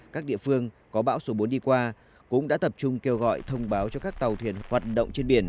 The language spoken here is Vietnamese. các địa phương có bão số bốn đi qua cũng đã tập trung kêu gọi thông báo cho các tàu thuyền hoạt động trên biển